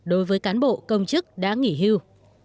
đối với cán bộ công chức đã nghỉ hưu